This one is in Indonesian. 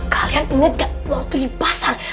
kalian ingat gak waktu di pasar